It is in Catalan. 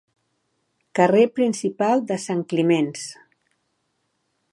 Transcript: Carrer principal de Sant Climenç.